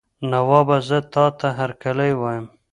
نوابه زه تاته هرکلی وایم.